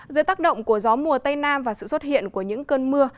dưới tác động của gió mùa tây nam và sự xuất hiện của những cơn mưa